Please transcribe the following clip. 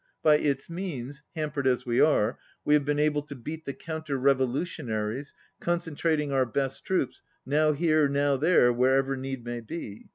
By its means, hampered as we are, we have been able to beat the counter revolutionaries, concentrating our best troops, now here, now there, wherever need may be.